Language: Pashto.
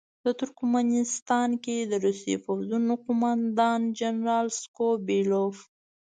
د ترکمنستان کې د روسي پوځونو قوماندان جنرال سکو بیلوف.